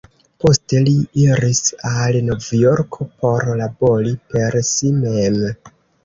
Poste li iris al Novjorko por labori per si mem.